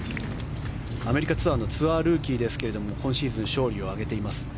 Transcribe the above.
アメリカツアーのツアールーキーですが今シーズン勝利を挙げています。